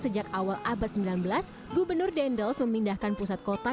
sejak awal abad sembilan belas gubernur dendels memindahkan pusat kota